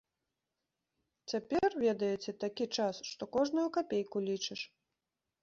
Цяпер, ведаеце, такі час, што кожную капейку лічыш.